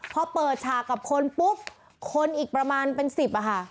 พอเปิดฉากกับคนปุ๊บคนอีกประมาณเป็น๑๐อะค่ะ